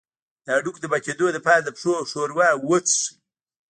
د هډوکو د ماتیدو لپاره د پښو ښوروا وڅښئ